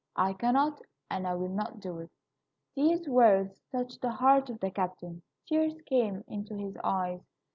I cannot, and I will not do it." These words touched the heart of the captain. Tears came into his eyes.